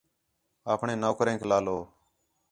اپݨے نوکرینک لالو